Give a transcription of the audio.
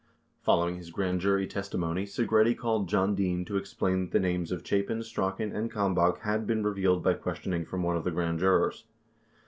51 Following his grand jury testimony Segretti called John Dean to explain that the names of Chapin, Strachan, and Kalmbach had been revealed by questioning from one of the grand jurors.